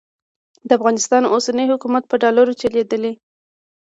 د افغانستان اوسنی حکومت په ډالرو چلېدلی.